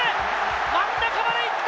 真ん中まで行って！